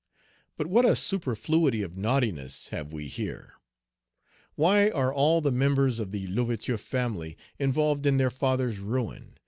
But what a "superfluity of naughtiness" have we here! Why are all the members of the L'Ouverture family involved in their father's ruin?